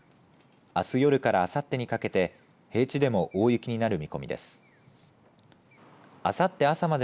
あす夜からあさってにかけて平地でも大雪になる見込みです。